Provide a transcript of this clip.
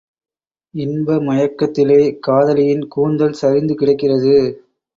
இன்ப மயக்கத்திலே காதலியின் கூந்தல் சரிந்து கிடக்கிறது.